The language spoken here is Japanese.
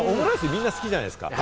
みんな好きじゃないですか。